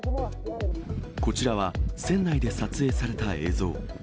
こちらは、船内で撮影された映像。